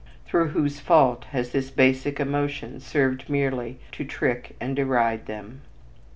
Through whose fault has this basic emotion served merely to trick and deride them?